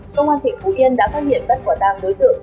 công an thị phúc yên đã phát hiện bắt quả tàng đối tượng